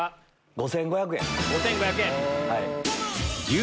５５００円。